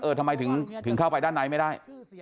เอิ๊ะทำไมถึงเข้าไปด้านไหนไม่ได้